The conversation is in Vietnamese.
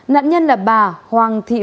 nạn nhân là bà hoàng thị vượng